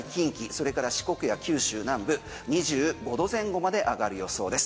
それから四国や九州南部２５度前後まで上がる予想です。